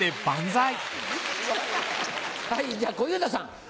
じゃ小遊三さん。